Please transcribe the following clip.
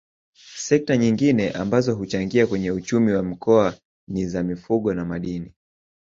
Sekta nyingine ambazo huchangia kwenye uchumi wa Mkoa ni za Mifugo na Madini